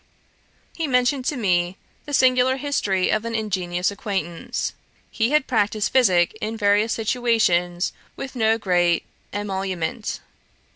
He mentioned to me the singular history of an ingenious acquaintance. 'He had practised physick in various situations with no great emolument.